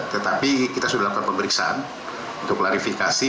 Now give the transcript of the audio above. tetapi kita sudah lakukan pemeriksaan untuk klarifikasi